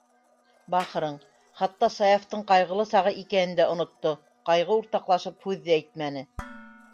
Бахырың, хатта Саяфтың ҡайғылы сағы икәнен дә онотто, ҡайғы уртаҡлашып һүҙ ҙә әйтмәне.